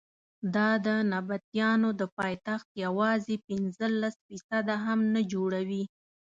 دا د نبطیانو د پایتخت یوازې پنځلس فیصده هم نه جوړوي.